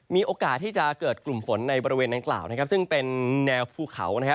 มีโอกาสที่จะเกิดกลุ่มฝนในบริเวณดังกล่าวซึ่งเป็นแนวภูเขา